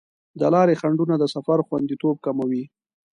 د لارې خنډونه د سفر خوندیتوب کموي.